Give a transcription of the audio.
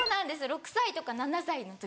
６歳とか７歳の時。